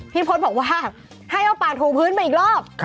พจน์บอกว่าให้เอาปากถูพื้นไปอีกรอบ